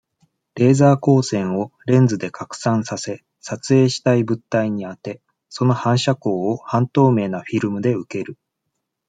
レーザー光線を、レンズで拡散させ、撮影したい物体に当て、その反射光を、半透明なフィルムで受ける。